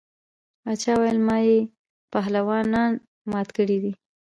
باچا ویل ما یې پهلوانان مات کړي دي.